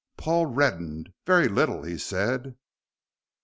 Paul reddened. "Very little," he said.